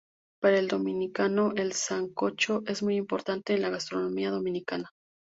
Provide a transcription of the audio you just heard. Para el dominicano el sancocho es muy importante en la gastronomía Dominicana.